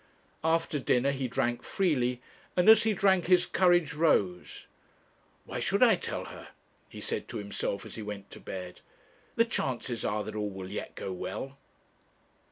After dinner he drank freely, and as he drank his courage rose. 'Why should I tell her?' he said to himself as he went to bed. 'The chances are that all will yet go well.'